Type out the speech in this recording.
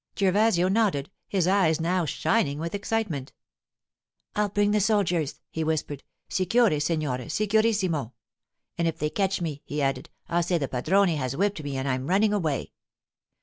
Gervasio nodded, his eyes now shining with excitement. 'I'll bring the soldiers,' he whispered, 'sicure, signore, sicurissimo! And if they catch me,' he added, 'I'll say the padrone has whipped me and I'm running away.